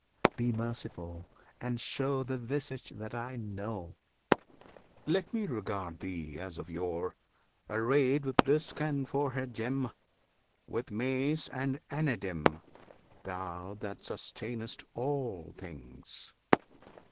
Be merciful, and show The visage that I know; Let me regard Thee, as of yore, arrayed With disc and forehead gem, With mace and anadem, Thou that sustainest all things!